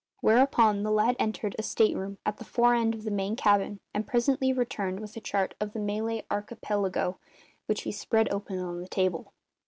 Whereupon the lad entered a state room at the fore end of the main cabin, and presently returned with a chart of the Malay Archipelago, which he spread open on the table.